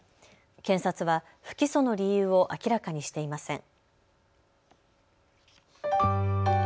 検察は不起訴の理由を明らかにしていません。